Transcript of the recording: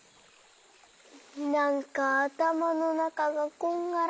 なんかあたまのなかがこんがらがって。